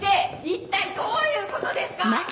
一体どういうことですか？